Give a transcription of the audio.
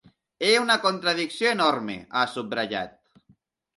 És una contradicció enorme, ha subratllat.